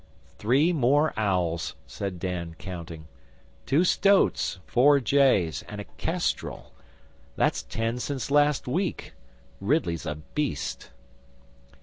'Three more owls,' said Dan, counting. 'Two stoats, four jays, and a kestrel. That's ten since last week. Ridley's a beast.